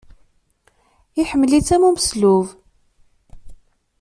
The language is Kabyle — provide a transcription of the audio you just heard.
Iḥemmel-itt am umeslub.